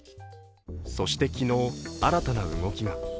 そして昨日、新たな動きが。